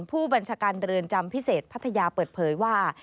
ผู้บัญชาการเรือนจำพิเศษพัทยาเปิดเผยว่า